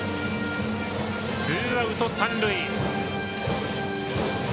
ツーアウト、三塁。